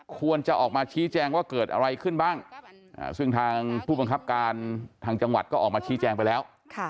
ควรจะออกมาชี้แจงว่าเกิดอะไรขึ้นบ้างซึ่งทางผู้บังคับการทางจังหวัดก็ออกมาชี้แจงไปแล้ว